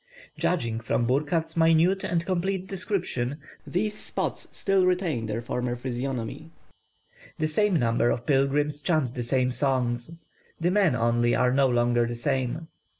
Judging from Burckhardt's minute and complete description, these spots still retain their former physiognomy. The same number of pilgrims chant the same songs; the men only are no longer the same.